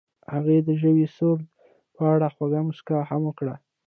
هغې د ژور سرود په اړه خوږه موسکا هم وکړه.